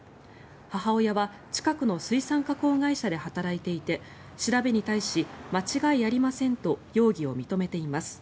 母親は近くの水産加工会社で働いていて調べに対し、間違いありませんと容疑を認めています。